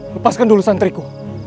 lepaskan dulu santriku